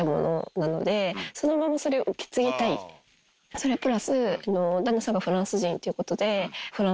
それプラス。